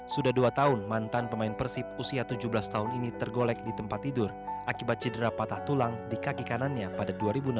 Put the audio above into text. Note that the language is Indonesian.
sudah dua tahun mantan pemain persib usia tujuh belas tahun ini tergolek di tempat tidur akibat cedera patah tulang di kaki kanannya pada dua ribu enam belas